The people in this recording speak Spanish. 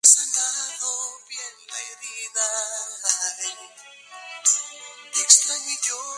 Sección retrospectiva con la filmografía del director brasileño, restaurada por su hija Alicia.